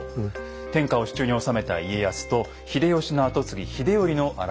天下を手中に収めた家康と秀吉の跡継ぎ秀頼の争いでした。